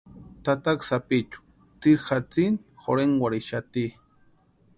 Tataka sapichu tsiri jatsini jorhenkwarhixati.